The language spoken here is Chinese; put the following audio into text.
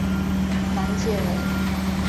南界为。